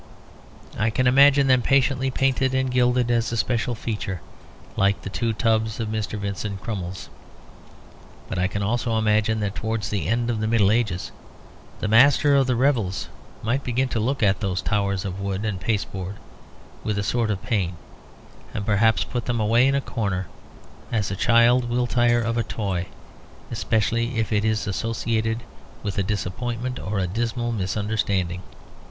I can imagine them patiently painted and gilded as a special feature, like the two tubs of Mr. Vincent Crummles. But I can also imagine that towards the end of the Middle Ages, the master of the revels might begin to look at those towers of wood and pasteboard with a sort of pain, and perhaps put them away in a corner, as a child will tire of a toy especially if it is associated with a disappointment or a dismal misunderstanding.